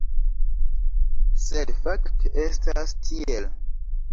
Sed fakte estas tiel.